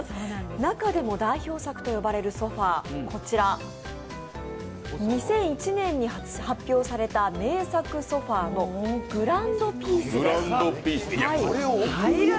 中でも代表作と呼ばれるソファー、こちら２００１年に発表された名作ソファーのグランドピースです。